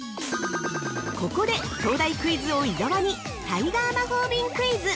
◆ここで、東大クイズ王・伊沢にタイガー魔法瓶クイズ。